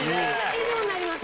以上になります。